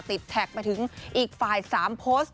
แท็กไปถึงอีกฝ่าย๓โพสต์